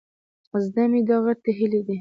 زده مې ده، غټې هيلۍ دي.